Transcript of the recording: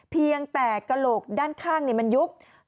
เพียงแต่กระโหลกด้านข้างมันยุบ